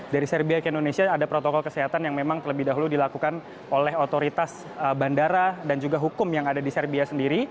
dari serbia ke indonesia ada protokol kesehatan yang memang terlebih dahulu dilakukan oleh otoritas bandara dan juga hukum yang ada di serbia sendiri